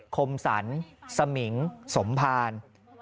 คมสรรสมิงสมภาร